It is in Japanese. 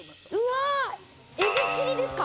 エビチリですか？